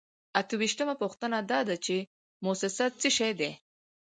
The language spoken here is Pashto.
اته ویشتمه پوښتنه دا ده چې موسسه څه شی ده.